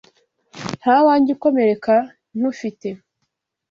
Ntawanjye ukomereka nywufite